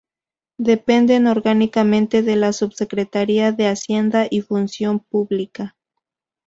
Dependen orgánicamente de la Subsecretaría de Hacienda y Función Pública.